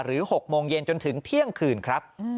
๖โมงเย็นจนถึงเที่ยงคืนครับ